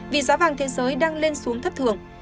vì giá vàng thế giới đang lên xuống thấp thường